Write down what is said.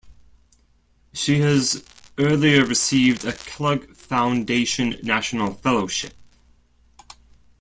She has earlier received a Kellogg Foundation national fellowship.